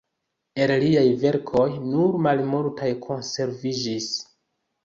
El liaj verkoj nur malmultaj konserviĝis.